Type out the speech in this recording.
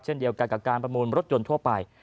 เช่นเดียวกันกับการประมูลรถยนต์ทั่วไป